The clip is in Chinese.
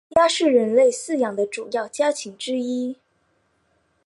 鸭是人类饲养的主要家禽之一。